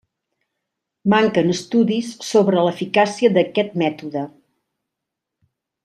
Manquen estudis sobre l'eficàcia d'aquest mètode.